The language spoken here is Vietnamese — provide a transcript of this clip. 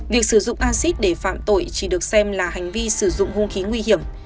việc sử dụng acid để phạm tội chỉ được xem là hành vi sử dụng hung khí nguy hiểm